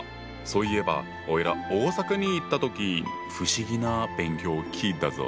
そういえばおいら大阪に行った時不思議な「勉強」を聞いたぞ！